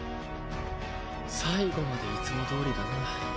最後までいつもどおりだな。